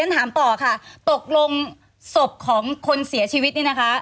ถามต่อค่ะตกลงศพของคนเสียชีวิตนี่นะคะ